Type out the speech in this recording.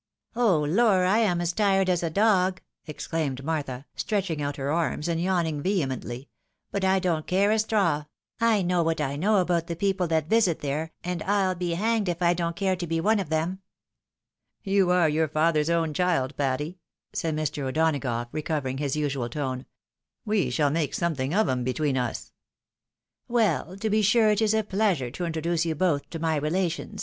" Oh, lor ! I am as tired as a dog," exclaimed Martha, stretching out her arms, and yawning vehemently ;" but I don't care a straw — I know what I know about the people that visit there, and I'U be hanged if I don't take care to be one of them." UNI3S!TELLIGIBLE DISCOURSE. 123 " You are your father's own child, Patty !" said Mr. O'Donagough, recovering his usual tone ; "we shall make something of 'em between us." " Well ! to be sure it is a pleasure to introduce you both to my relations